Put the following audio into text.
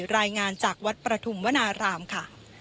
รายงานจากวัดประทุมวนารามค่ะ